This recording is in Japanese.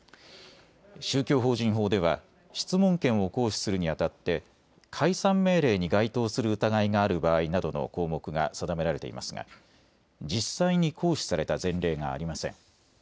宗教法人法では質問権を行使するにあたって解散命令に該当する疑いがある場合などの項目が定められていますが実際に行使された前例がありません。